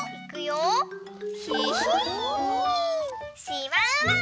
しまうま！